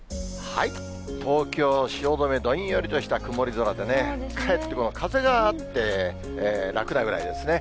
東京・汐留、どんよりとした曇り空でね、かえってこの風があって、楽なぐらいですね。